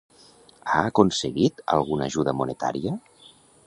Ha aconseguit alguna ajuda monetària?